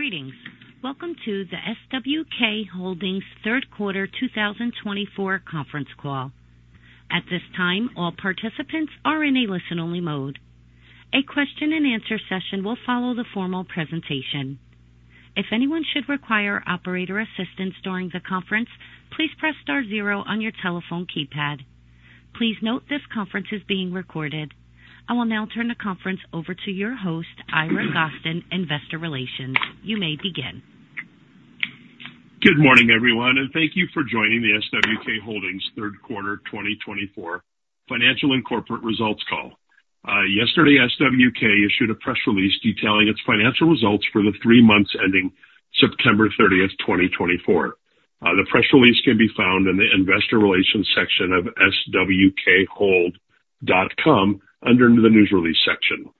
Greetings. Welcome to the SWK Holdings' Q3 2024 Conference Call. At this time, all participants are in a listen-only mode. A question-and-answer session will follow the formal presentation. If anyone should require operator assistance during the conference, please press star zero on your telephone keypad. Please note this conference is being recorded. I will now turn the conference over to your host, Ira Gostin, Investor Relations. You may begin. Good morning, everyone, and thank you for joining the SWK Holdings' Q3 2024 financial and corporate results call. Yesterday, SWK issued a press release detailing its financial results for the three months ending September 30th, 2024. The press release can be found in the Investor Relations section of swkholdings.com under the News Release section.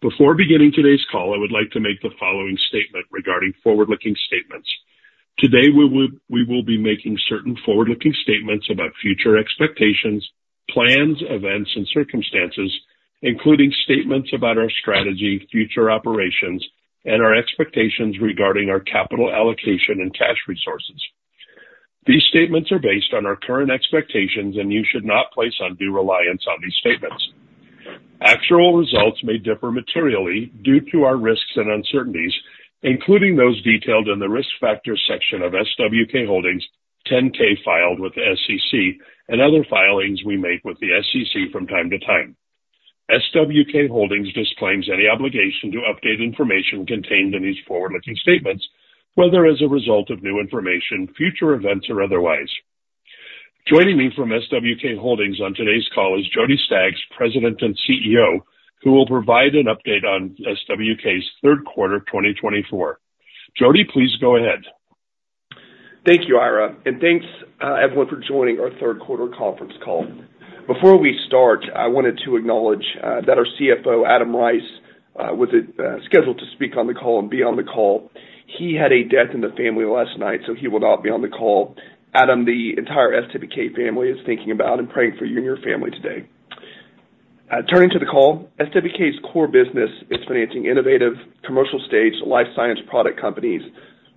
Before beginning today's call, I would like to make the following statement regarding forward-looking statements. Today, we will be making certain forward-looking statements about future expectations, plans, events, and circumstances, including statements about our strategy, future operations, and our expectations regarding our capital allocation and cash resources. These statements are based on our current expectations, and you should not place undue reliance on these statements. Actual results may differ materially due to our risks and uncertainties, including those detailed in the risk factor section of SWK Holdings' 10-K filed with the SEC and other filings we make with the SEC from time to time. SWK Holdings disclaims any obligation to update information contained in these forward-looking statements, whether as a result of new information, future events, or otherwise. Joining me from SWK Holdings on today's call is Jody Staggs, President and CEO, who will provide an update on SWK's Q3 2024. Jody, please go ahead. Thank you, Ira, and thanks everyone for joining our Q3 conference call. Before we start, I wanted to acknowledge that our CFO, Adam Rice, was scheduled to speak on the call and be on the call. He had a death in the family last night, so he will not be on the call. Adam, the entire SWK family is thinking about and praying for you and your family today. Turning to the call, SWK's core business is financing innovative commercial stage life science product companies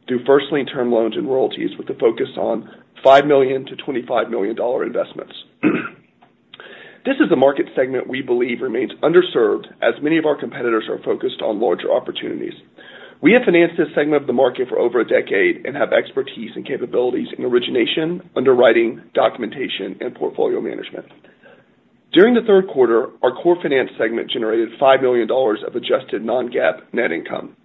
through first lien term loans and royalties with a focus on $5 million-$25 million investments. This is a market segment we believe remains underserved, as many of our competitors are focused on larger opportunities. We have financed this segment of the market for over a decade and have expertise and capabilities in origination, underwriting, documentation, and portfolio management. During the Q3, our core finance segment generated $5 million of adjusted non-GAAP net income.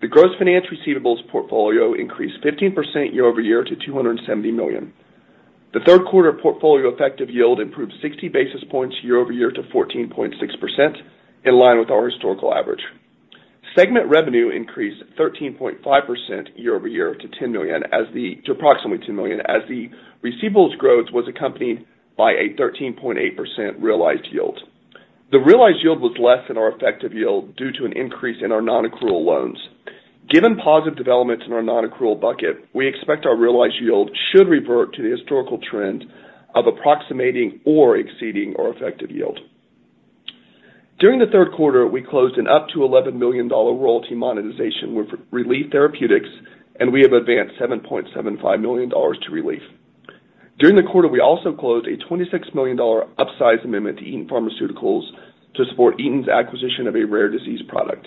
The gross finance receivables portfolio increased 15% year-over-year to $270 million. The Q3 portfolio effective yield improved 60 basis points year-over-year to 14.6%, in line with our historical average. Segment revenue increased 13.5% year-over-year to approximately $2 million, as the receivables growth was accompanied by a 13.8% realized yield. The realized yield was less than our effective yield due to an increase in our non-accrual loans. Given positive developments in our non-accrual bucket, we expect our realized yield should revert to the historical trend of approximating or exceeding our effective yield. During the Q3, we closed an up to $11 million royalty monetization with Relief Therapeutics, and we have advanced $7.75 million to Relief. During the quarter, we also closed a $26 million upsize amendment to Eton Pharmaceuticals to support Eton's acquisition of a rare disease product.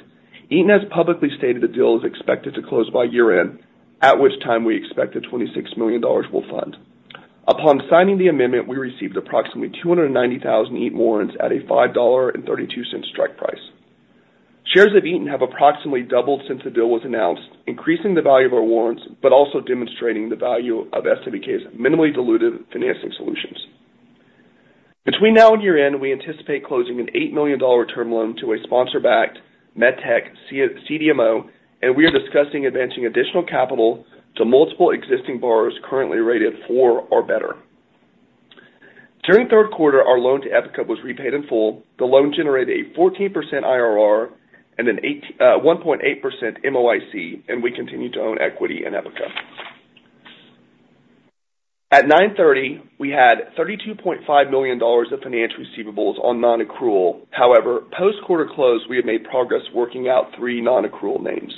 Eton has publicly stated the deal is expected to close by year-end, at which time we expect the $26 million will fund. Upon signing the amendment, we received approximately 290,000 Eton warrants at a $5.32 strike price. Shares of Eton have approximately doubled since the deal was announced, increasing the value of our warrants, but also demonstrating the value of SWK's minimally diluted financing solutions. Between now and year-end, we anticipate closing an $8 million term loan to a sponsor-backed medtech CDMO, and we are discussing advancing additional capital to multiple existing borrowers currently rated four or better. During Q3, our loan to Epica was repaid in full. The loan generated a 14% IRR and a 1.8% MOIC, and we continue to own equity in Epica. At 9:30 A.M, we had $32.5 million of finance receivables on non-accrual. However, post-quarter close, we have made progress working out three non-accrual names.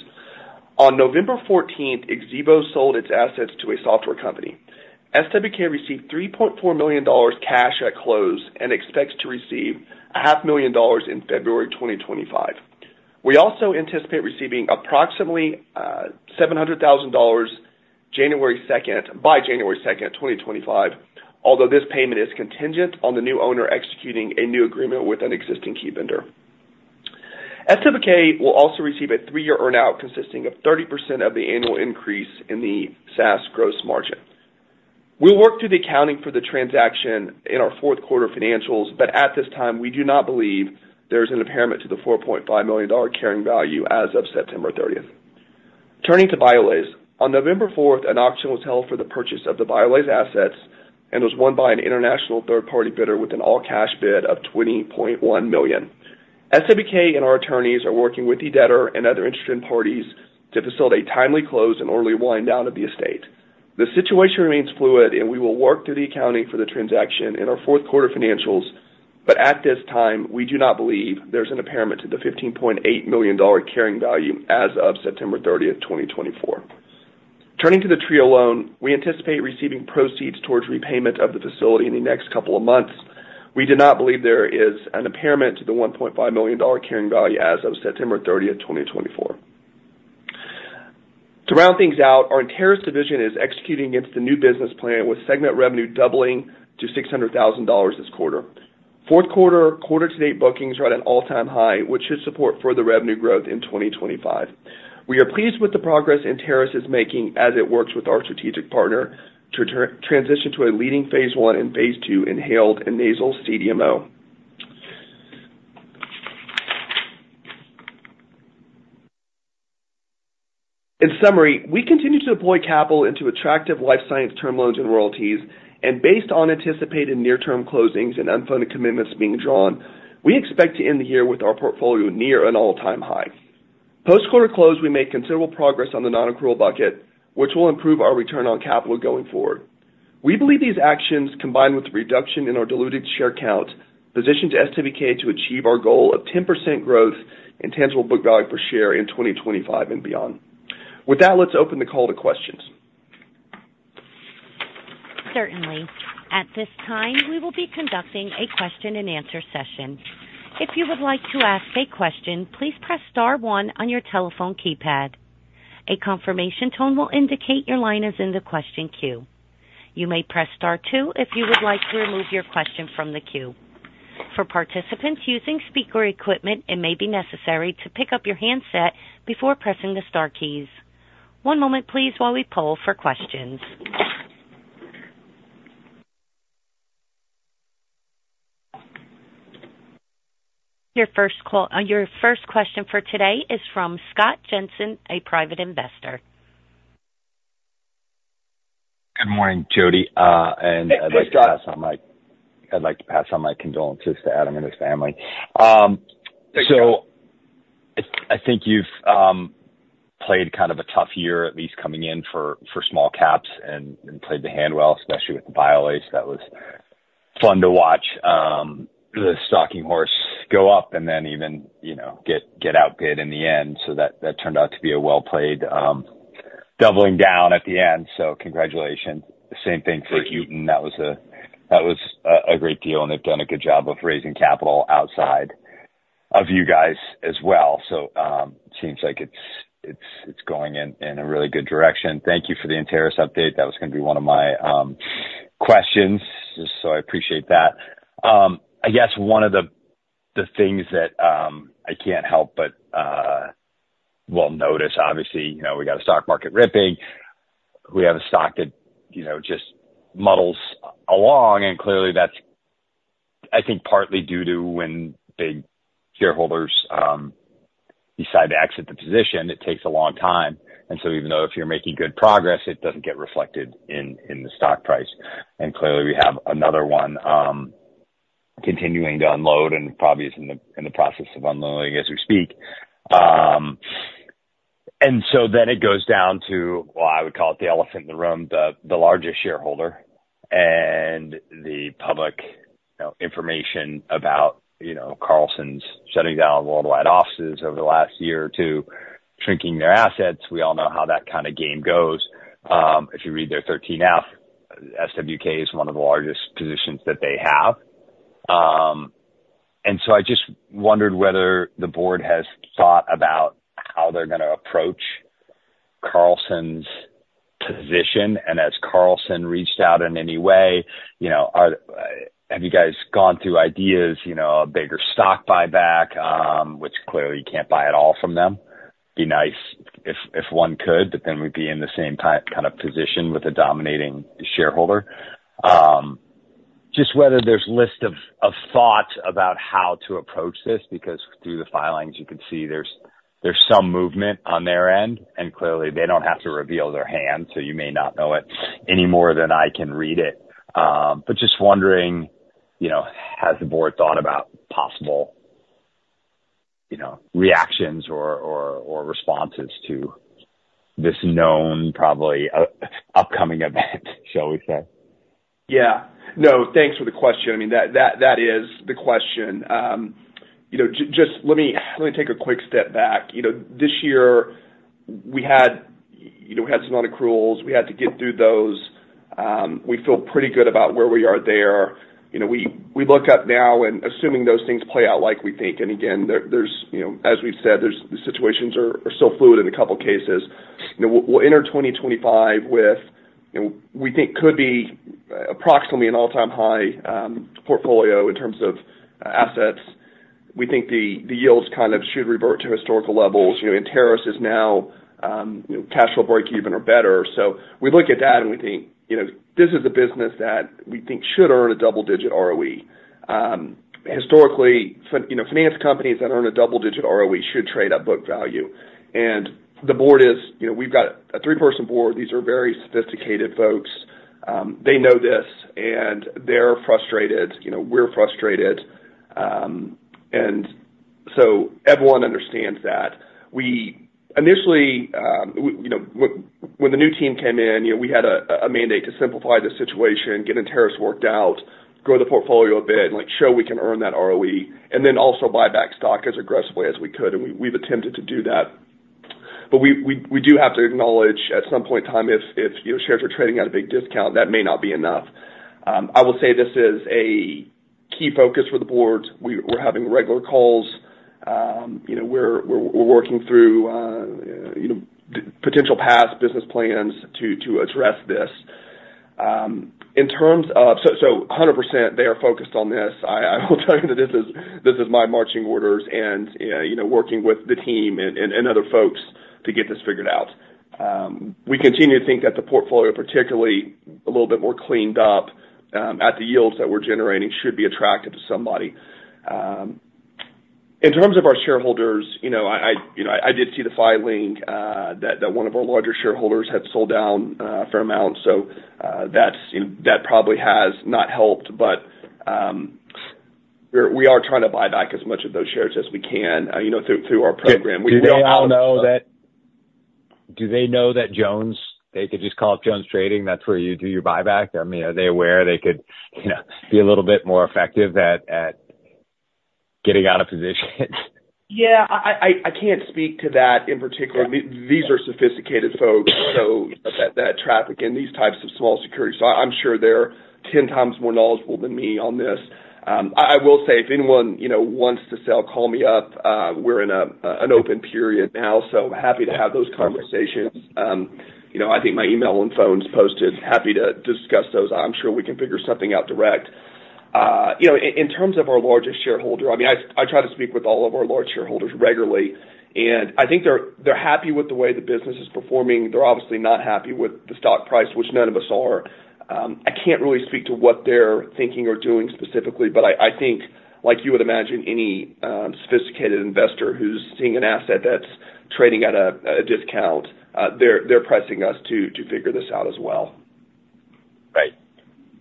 On November 14th, 2024, Xevo sold its assets to a software company. SWK received $3.4 million cash at close and expects to receive $500,000 in February 2025. We also anticipate receiving approximately $700,000 by January 2nd, 2025, although this payment is contingent on the new owner executing a new agreement with an existing key vendor. SWK will also receive a three-year earnout consisting of 30% of the annual increase in the SaaS gross margin. We'll work through the accounting for the transaction in our Q4 financials, but at this time, we do not believe there is an impairment to the $4.5 million carrying value as of September 30th, 2024. Turning to BIOLASE, on November 4th, an auction was held for the purchase of the BIOLASE assets, and it was won by an international third-party bidder with an all-cash bid of $20.1 million. SWK and our attorneys are working with the debtor and other interested parties to facilitate timely close and early wind-down of the estate. The situation remains fluid, and we will work through the accounting for the transaction in our Q4 financials, but at this time, we do not believe there is an impairment to the $15.8 million carrying value as of September 30th, 2024. Turning to the Trio loan, we anticipate receiving proceeds towards repayment of the facility in the next couple of months. We do not believe there is an impairment to the $1.5 million carrying value as of September 30th, 2024. To round things out, our Enteris division is executing against the new business plan, with segment revenue doubling to $600,000 this quarter. Q4, quarter-to-date bookings are at an all-time high, which should support further revenue growth in 2025. We are pleased with the progress Enteris is making as it works with our strategic partner to transition to a leading phase I and phase II inhaled and nasal CDMO. In summary, we continue to deploy capital into attractive life science term loans and royalties, and based on anticipated near-term closings and unfunded commitments being drawn, we expect to end the year with our portfolio near an all-time high. Post-quarter close, we made considerable progress on the non-accrual bucket, which will improve our return on capital going forward. We believe these actions, combined with the reduction in our diluted share count, position SWK to achieve our goal of 10% growth in tangible book value per share in 2025 and beyond. With that, let's open the call to questions. Certainly. At this time, we will be conducting a question-and-answer session. If you would like to ask a question, please press star one on your telephone keypad. A confirmation tone will indicate your line is in the question queue. You may press star two if you would like to remove your question from the queue. For participants using speaker equipment, it may be necessary to pick up your handset before pressing the star keys. One moment, please, while we poll for questions. Your first question for today is from Scott Jensen, a private investor. Good morning, Jody. I’d like to pass on my condolences to Adam and his family. I think you’ve played kind of a tough year, at least coming in for small caps, and played the hand well, especially with the BIOLASE. That was fun to watch the stalking horse go up and then even get outbid in the end. That turned out to be a well-played doubling down at the end. Congratulations. Same thing for Eton. That was a great deal, and they’ve done a good job of raising capital outside of you guys as well. It seems like it’s going in a really good direction. Thank you for the Enteris update. That was going to be one of my questions, so I appreciate that. I guess one of the things that I can't help but notice, obviously, we got a stock market ripping. We have a stock that just muddles along, and clearly, that's, I think, partly due to when big shareholders decide to exit the position, it takes a long time. And so even though if you're making good progress, it doesn't get reflected in the stock price. And clearly, we have another one continuing to unload and probably is in the process of unloading as we speak. And so then it goes down to, well, I would call it the elephant in the room, the largest shareholder. And the public information about Carlson Capital's shutting down worldwide offices over the last year or two, shrinking their assets. We all know how that kind of game goes. If you read their 13F, SWK is one of the largest positions that they have. And so I just wondered whether the board has thought about how they're going to approach Carlson's position. And has Carlson reached out in any way? Have you guys gone through ideas, a bigger stock buyback, which clearly you can't buy at all from them? It'd be nice if one could, but then we'd be in the same kind of position with a dominating shareholder. Just whether there's a list of thoughts about how to approach this, because through the filings, you can see there's some movement on their end, and clearly, they don't have to reveal their hand, so you may not know it any more than I can read it. But just wondering, has the board thought about possible reactions or responses to this known, probably upcoming event, shall we say? Yeah. No, thanks for the question. I mean, that is the question. Just let me take a quick step back. This year, we had some non-accruals. We had to get through those. We feel pretty good about where we are there. We look up now and assuming those things play out like we think. And again, as we've said, the situations are still fluid in a couple of cases. We'll enter 2025 with what we think could be approximately an all-time high portfolio in terms of assets. We think the yields kind of should revert to historical levels. Enteris BioPharma is now cash flow break-even or better. So we look at that and we think this is a business that we think should earn a double-digit ROE. Historically, finance companies that earn a double-digit ROE should trade at book value. And the board is, we've got a three-person board. These are very sophisticated folks. They know this, and they're frustrated. We're frustrated, and so everyone understands that. Initially, when the new team came in, we had a mandate to simplify the situation, get Enteris worked out, grow the portfolio a bit, and show we can earn that ROE, and then also buy back stock as aggressively as we could, and we've attempted to do that, but we do have to acknowledge at some point in time, if shares are trading at a big discount, that may not be enough. I will say this is a key focus for the board. We're having regular calls. We're working through potential past business plans to address this. In terms of, so 100%, they are focused on this. I will tell you that this is my marching orders and working with the team and other folks to get this figured out. We continue to think that the portfolio, particularly a little bit more cleaned up at the yields that we're generating, should be attractive to somebody. In terms of our shareholders, I did see the filing that one of our larger shareholders had sold down a fair amount, so that probably has not helped, but we are trying to buy back as much of those shares as we can through our program. Do they all know that? Do they know that Jones, they could just call up JonesTrading? That's where you do your buyback. I mean, are they aware they could be a little bit more effective at getting out of position? Yeah. I can't speak to that in particular. These are sophisticated folks, so they traffic in these types of small securities. So I'm sure they're 10 times more knowledgeable than me on this. I will say, if anyone wants to sell, call me up. We're in an open period now, so happy to have those conversations. I think my email and phone's posted. Happy to discuss those. I'm sure we can figure something out direct. In terms of our largest shareholder, I mean, I try to speak with all of our large shareholders regularly, and I think they're happy with the way the business is performing. They're obviously not happy with the stock price, which none of us are. I can't really speak to what they're thinking or doing specifically, but I think, like you would imagine, any sophisticated investor who's seeing an asset that's trading at a discount, they're pressing us to figure this out as well. Right.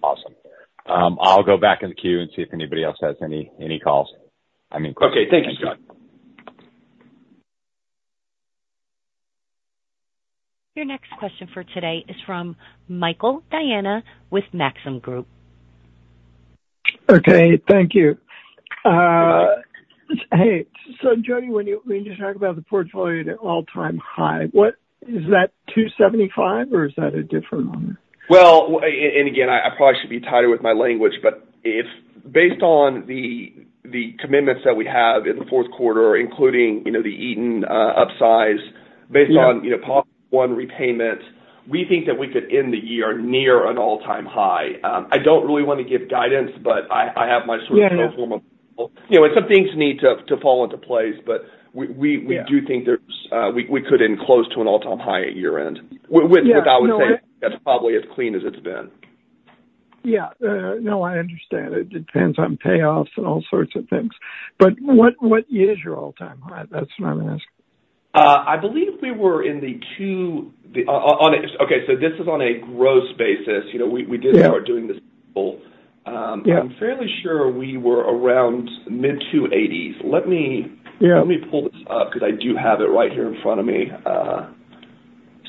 Awesome. I'll go back in the queue and see if anybody else has any calls. I mean, questions? Okay. Thank you, Scott. Your next question for today is from Michael Diana with Maxim Group. Okay. Thank you. Hey, so Jody, when you talk about the portfolio at an all-time high, is that $275 million or is that a different one? Well, and again, I probably should be tighter with my language, but based on the commitments that we have in the Q4, including the Eton upsize, based on possible one repayment, we think that we could end the year near an all-time high. I don't really want to give guidance, but I have my sort of pro forma model. And some things need to fall into place, but we do think we could end close to an all-time high at year-end. I would say that's probably as clean as it's been. Yeah. No, I understand. It depends on payoffs and all sorts of things, but what is your all-time high? That's what I'm asking. I believe we were in the two—okay, so this is on a gross basis. We did start doing this sample. I'm fairly sure we were around mid-$280s million. Let me pull this up because I do have it right here in front of me.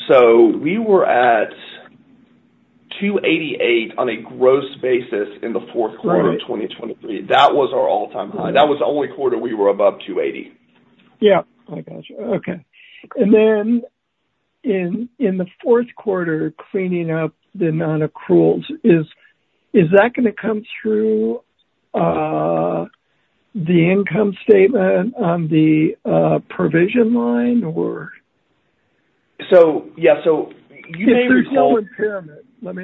So we were at $288 million on a gross basis in the Q4 of 2023. That was our all-time high. That was the only quarter we were above $280 million. Yeah. I gotcha. Okay. And then in the Q4, cleaning up the non-accruals, is that going to come through the income statement on the provision line, or? Yeah, so you may... If there's no impairment, let me,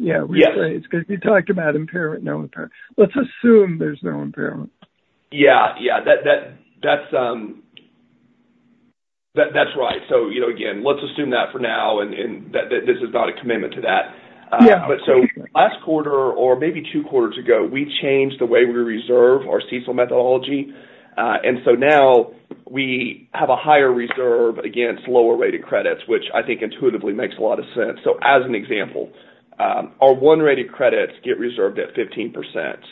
yeah, rephrase because you talked about impairment, no impairment. Let's assume there's no impairment. Yeah. Yeah. That's right. So again, let's assume that for now, and this is not a commitment to that. But so last quarter or maybe two quarters ago, we changed the way we reserve our CECL methodology. And so now we have a higher reserve against lower-rated credits, which I think intuitively makes a lot of sense. So as an example, our one-rated credits get reserved at 15%.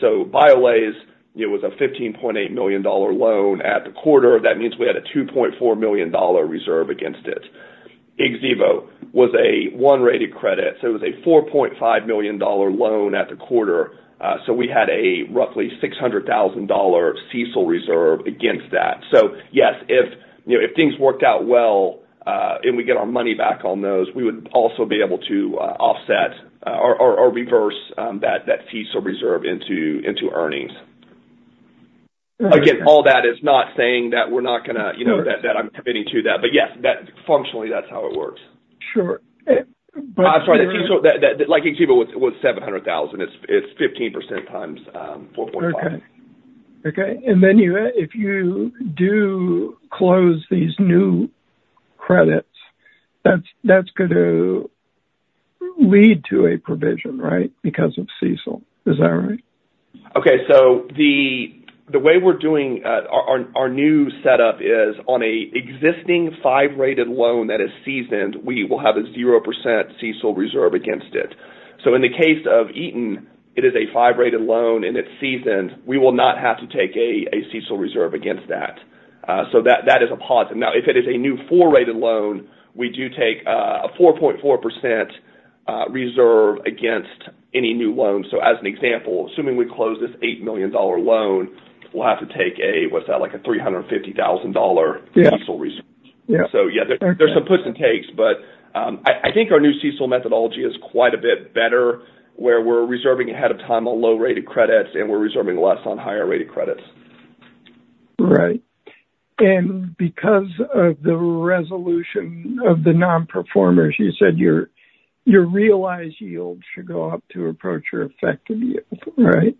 So BIOLASE was a $15.8 million loan at the quarter. That means we had a $2.4 million reserve against it. Xevo was a one-rated credit. So it was a $4.5 million loan at the quarter. So we had a roughly $600,000 CECL reserve against that. So yes, if things worked out well and we get our money back on those, we would also be able to offset or reverse that CECL reserve into earnings. Again, all that is not saying that we're not going to, that I'm committing to that. But yes, functionally, that's how it works. Sure. I'm sorry. The CECL like Xevo was $700,000. It's 15% times 4.5. Okay. Okay, and then if you do close these new credits, that's going to lead to a provision, right, because of CECL? Is that right? Okay. So the way we're doing our new setup is on an existing five-rated loan that is seasoned, we will have a 0% CECL reserve against it. So in the case of Eton, it is a five-rated loan, and it's seasoned. We will not have to take a CECL reserve against that. So that is a positive. Now, if it is a new four-rated loan, we do take a 4.4% reserve against any new loan. So as an example, assuming we close this $8 million loan, we'll have to take a—what's that?—like a $350,000 CECL reserve. So yeah, there's some puts and takes, but I think our new CECL methodology is quite a bit better where we're reserving ahead of time on low-rated credits, and we're reserving less on higher-rated credits. Right. And because of the resolution of the non-performers, you said your realized yield should go up to approach your effective yield, right?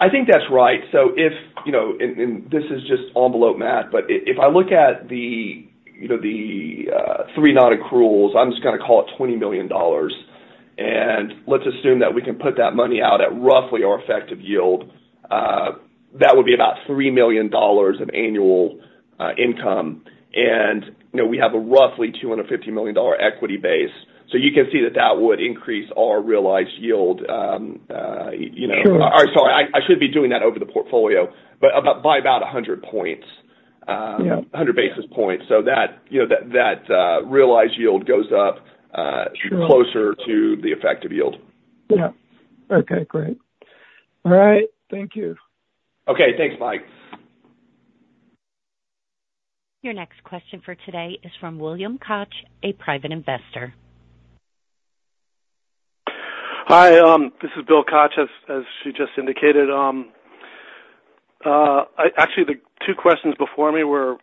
I think that's right. So if, and this is just envelope math, but if I look at the three non-accruals, I'm just going to call it $20 million. And let's assume that we can put that money out at roughly our effective yield. That would be about $3 million of annual income. And we have a roughly $250 million equity base. So you can see that that would increase our realized yield. Sorry, I should be doing that over the portfolio, but by about 100 points, 100 basis points. So that realized yield goes up closer to the effective yield. Yeah. Okay. Great. All right. Thank you. Okay. Thanks, Mike. Your next question for today is from William Koch, a private investor. Hi. This is William Koch, as she just indicated. Actually, the two questions before me were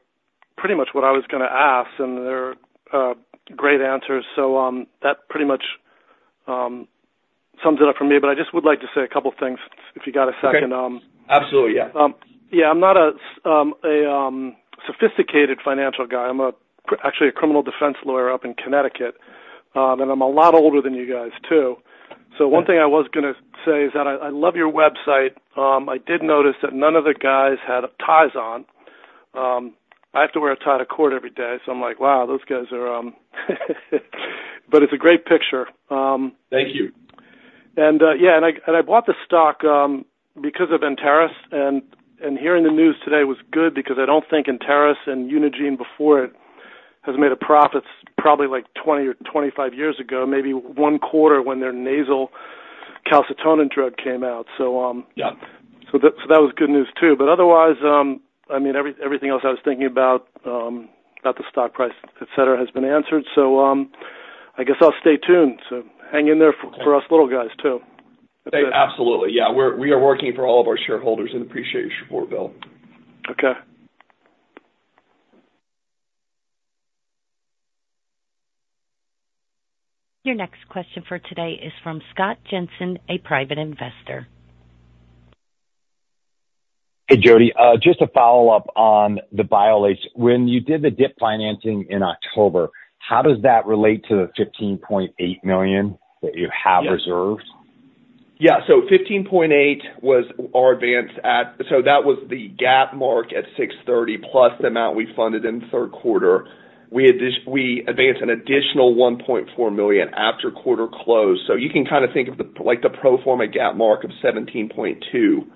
pretty much what I was going to ask, and they're great answers. So that pretty much sums it up for me. But I just would like to say a couple of things if you got a second. Sure. Absolutely. Yeah. Yeah. I'm not a sophisticated financial guy. I'm actually a criminal defense lawyer up in Connecticut, and I'm a lot older than you guys too. So one thing I was going to say is that I love your website. I did notice that none of the guys had ties on. I have to wear a tie to court every day. So I'm like, "Wow, those guys are" but it's a great picture. Thank you. Yeah, and I bought the stock because of Enteris. Hearing the news today was good because I don't think Enteris and Unigene before it has made a profit probably like 20 or 25 years ago, maybe one quarter when their nasal calcitonin drug came out. That was good news too. But otherwise, I mean, everything else I was thinking about, about the stock price, etc., has been answered. I guess I'll stay tuned. Hang in there for us little guys too. Absolutely. Yeah. We are working for all of our shareholders and appreciate your support, Bill. Okay. Your next question for today is from Scott Jensen, a private investor. Hey, Jody. Just to follow up on the BIOLASE, when you did the DIP financing in October, how does that relate to the $15.8 million that you have reserved? Yeah. So $15.8 million was our advance at, so that was the gap mark at $630,000+ the amount we funded in the Q3. We advanced an additional $1.4 million after quarter close. So you can kind of think of the pro forma gap mark of $17.2 million.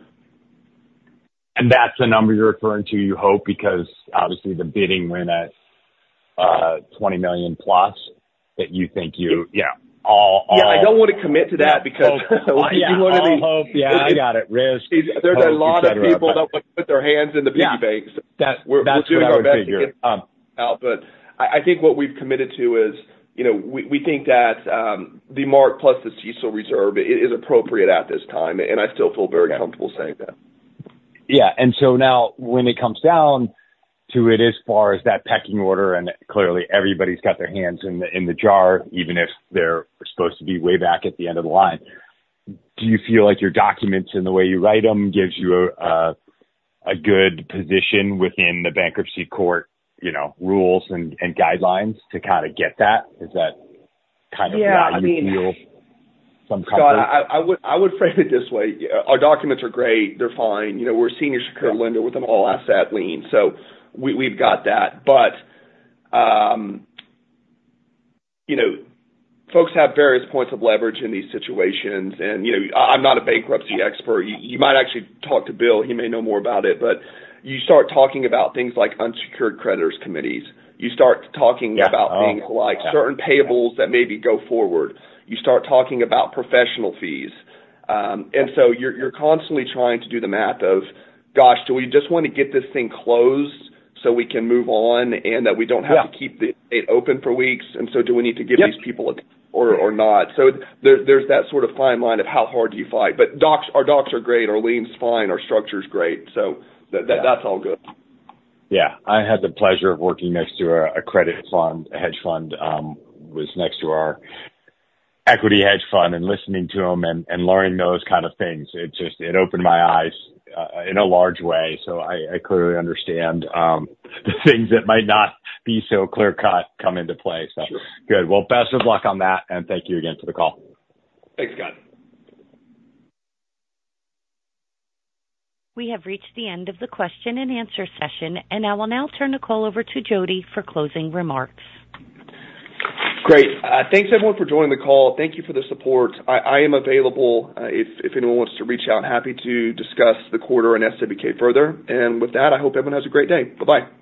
And that's the number you're referring to, you hope, because obviously the bidding went at $20 million plus that you think you yeah. Yeah. I don't want to commit to that because you want to be. I hope. Yeah. I got it. Risk. There's a lot of people that want to put their hands in the piggy banks. That's what I figured. But I think what we've committed to is we think that the mark plus the CECL reserve is appropriate at this time. And I still feel very comfortable saying that. Yeah, and so now when it comes down to it as far as that pecking order, and clearly everybody's got their hands in the jar, even if they're supposed to be way back at the end of the line, do you feel like your documents and the way you write them gives you a good position within the bankruptcy court rules and guidelines to kind of get that? Is that kind of how you feel? Yeah. I mean, I would frame it this way. Our documents are great. They're fine. We're a senior security lender with an all-asset lien. So we've got that. But folks have various points of leverage in these situations. And I'm not a bankruptcy expert. You might actually talk to Bill. He may know more about it. But you start talking about things like unsecured creditors' committees. You start talking about things like certain payables that maybe go forward. You start talking about professional fees. And so you're constantly trying to do the math of, "Gosh, do we just want to get this thing closed so we can move on and that we don't have to keep the estate open for weeks? And so do we need to give these people a day or not?" So there's that sort of fine line of how hard do you fight. But our docs are great. Our lien's fine. Our structure's great. So that's all good. Yeah. I had the pleasure of working next to a credit fund, a hedge fund, was next to our equity hedge fund and listening to them and learning those kind of things. It opened my eyes in a large way. So I clearly understand the things that might not be so clear-cut come into play. So good. Well, best of luck on that. And thank you again for the call. Thanks, Scott. We have reached the end of the question and answer session. I will now turn the call over to Jody for closing remarks. Great. Thanks, everyone, for joining the call. Thank you for the support. I am available if anyone wants to reach out. Happy to discuss the quarter and SWK further. And with that, I hope everyone has a great day. Bye-bye.